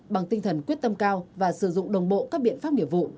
bằng tinh thần quyết tâm cao và sử dụng đồng bộ các biện pháp nghiệp vụ